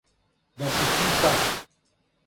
Да си ти тај.